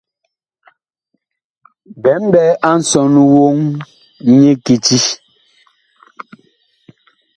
Bi mɓɛ a nsɔn woŋ nyi kiti.